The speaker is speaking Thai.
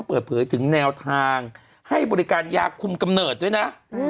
เปิดเผยถึงแนวทางให้บริการยาคุมกำเนิดด้วยนะ